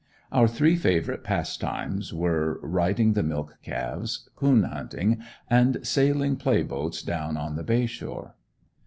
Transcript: Our three favorite passtimes were, riding the milk calves, coon hunting and sailing play boats down on the bay shore.